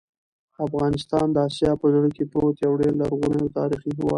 افغانستان د اسیا په زړه کې پروت یو ډېر لرغونی او تاریخي هېواد دی.